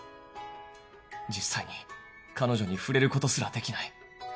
実際に彼女に触れることすらできない